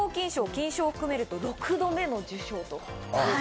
金賞を含めると６度目の受賞。